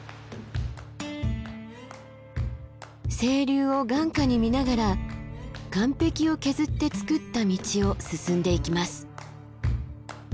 清流を眼下に見ながら岩壁を削って作った道を進んでいきます。